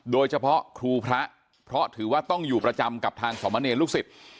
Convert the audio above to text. โดยเฉพาะครูพระเพราะถือว่าต้องอยู่ประจำกับทางสมเนรลูกศิษย์